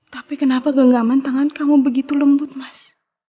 tapi kenapa genggaman tangan kamu begitu lembut mas